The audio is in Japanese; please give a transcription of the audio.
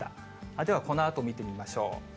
ではこのあと見てみましょう。